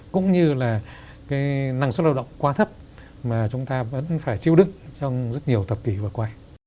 cũng như là cái năng suất lao động quá thấp mà chúng ta vẫn phải chịu đựng trong rất nhiều thập kỷ vừa qua